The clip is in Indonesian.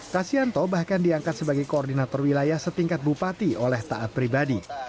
kasianto bahkan diangkat sebagai koordinator wilayah setingkat bupati oleh taat pribadi